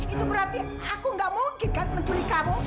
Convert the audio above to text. itu berarti aku gak mungkin kan menculik kamu